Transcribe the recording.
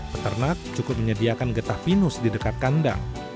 peternak cukup menyediakan getah pinus di dekat kandang